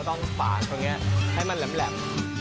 ต้องฝาดตรงนี้ให้มันแหลม